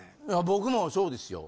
僕もそうですよ